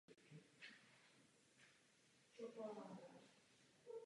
Mnozí bránili své pozice nezávisle na centrálním velení a odmítali se vzdát komunistům.